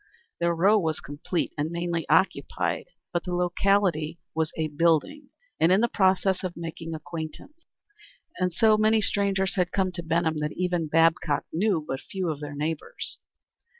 Their row was complete and mainly occupied, but the locality was a building, and in the process of making acquaintance. So many strangers had come to Benham that even Babcock knew but few of their neighbors.